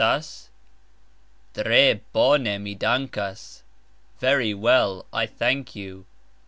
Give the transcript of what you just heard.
Tre bone, mi dankas. Very well, I thank you.